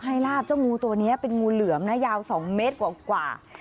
เจ้างูตัวนี้เป็นงูเหลือมยาว๒เมตรกว่า